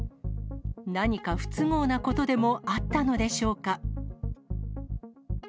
何か不都合なことでもあったのでしょうか。